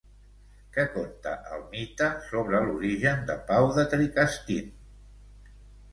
Què conta el mite sobre l'origen de Pau de Tricastin?